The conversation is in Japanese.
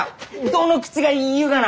どの口が言いゆうがな！